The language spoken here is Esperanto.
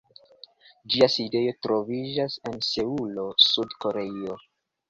Ĝia sidejo troviĝas en Seulo, Sud-Koreio.